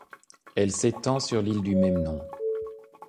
Elle s'étend sur l'île du même nom.